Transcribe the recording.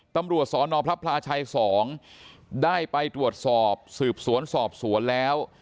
ตำรวจสนพระพลาชัย๒ได้ไปตรวจสอบสืบสวนสอบสวนแล้ว